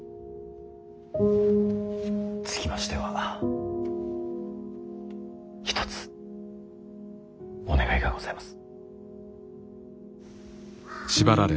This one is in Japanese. つきましては一つお願いがございます。